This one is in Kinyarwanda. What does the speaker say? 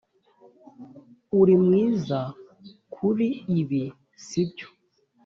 uri mwiza kuri ibi, si byo?